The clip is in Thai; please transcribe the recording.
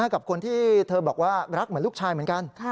กับคนที่เธอบอกว่ารักเหมือนลูกชายเหมือนกัน